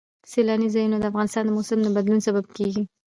سیلانی ځایونه د افغانستان د موسم د بدلون سبب کېږي.